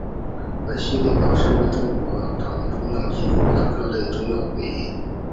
本列表所列为中国共产党中央机构的各类重要会议。